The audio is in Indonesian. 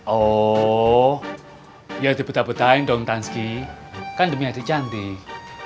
oh ya dibeta betain dong tansky kan demi ade cantik